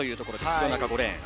弘中、５レーン。